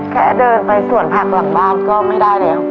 แค่เดินไปสวนผักหลังบ้านก็ไม่ได้แล้ว